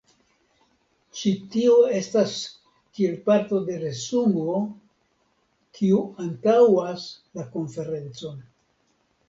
Ĉi tio estas kiel parto de resumo kiu antaŭas la konferencon.